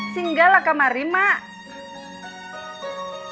singgal lah kamari ma'a